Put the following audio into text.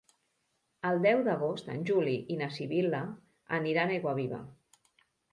El deu d'agost en Juli i na Sibil·la aniran a Aiguaviva.